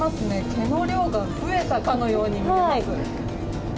毛の量が増えたかのように見えます。